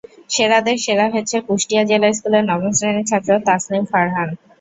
সেরাদের সেরা হয়েছে কুষ্টিয়া জিলা স্কুলের নবম শ্রেণীর ছাত্র তাসনিম ফারহান।